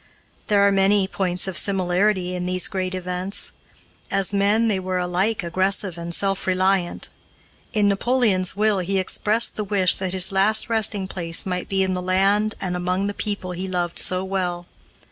There are many points of similarity in these great events. As men they were alike aggressive and self reliant. In Napoleon's will he expressed the wish that his last resting place might be in the land and among the people he loved so well.